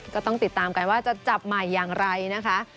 ก็ต้องติดตามกันว่าจะจับใหม่อย่างไรนะคะ